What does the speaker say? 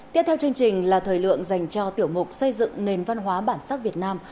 tiếp theo chương trình là thời lượng dành cho tiểu mục xây dựng nền văn hóa bản sắc việt nam